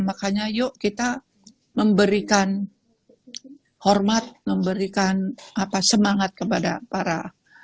makanya yuk kita memberikan hormat memberikan semangat kepada para